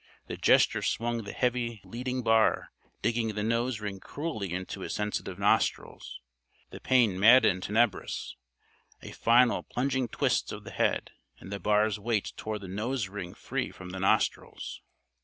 The gesture swung the heavy leading bar, digging the nose ring cruelly into his sensitive nostrils. The pain maddened Tenebris. A final plunging twist of the head and the bar's weight tore the nose ring free from the nostrils.